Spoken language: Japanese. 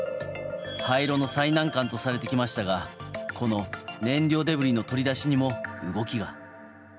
廃炉の最難関とされてきましたがこの燃料デブリの取り出しにも動きが。